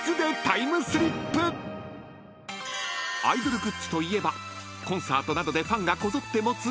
［アイドルグッズといえばコンサートなどでファンがこぞって持つ